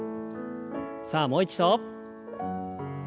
さあもう一度。